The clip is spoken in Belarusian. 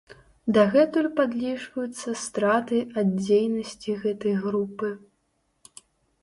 Дагэтуль падлічваюцца страты ад дзейнасці гэтай групы.